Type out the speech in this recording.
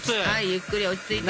ゆっくり落ち着いて。